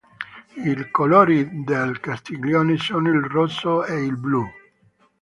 Il colori del Castiglione sono il rosso e il blu.